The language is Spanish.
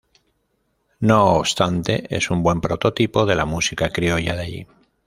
No obstante, es un buen prototipo de la música criolla de allí.